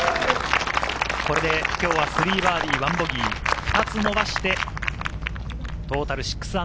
これで今日は３バーディー１ボギー、２つ伸ばしてトータル−６。